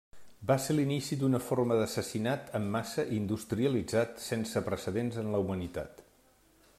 Va ser l'inici d'una forma d'assassinat en massa industrialitzat sense precedents en la humanitat.